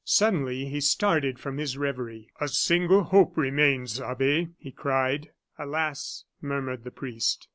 Suddenly he started from his revery. "A single hope remains, Abbe!" he cried. "Alas!" murmured the priest.